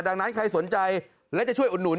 ดังนั้นใครสนใจและจะช่วยอุดหนุน